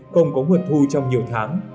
không có nguồn thu trong nhiều tháng